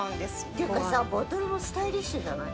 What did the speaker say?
ていうかさボトルもスタイリッシュじゃない？